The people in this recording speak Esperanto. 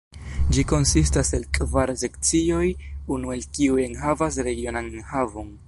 Ĝi konsistas el kvar sekcioj, unu el kiuj enhavas regionan enhavon.